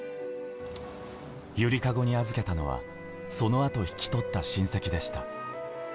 ゆりかごに預けたのは、そのあと引き取った親戚でした。